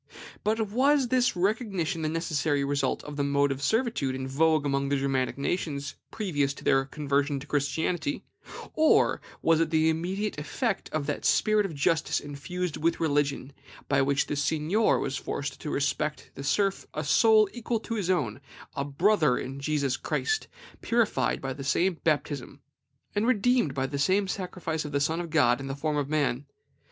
But was this recognition the necessary result of the mode of servitude in vogue among the Germanic nations previous to their conversion to Christianity, or was it the immediate effect of that spirit of justice infused with religion, by which the seignior was forced to respect in the serf a soul equal to his own, a brother in Jesus Christ, purified by the same baptism, and redeemed by the same sacrifice of the Son of God in the form of man?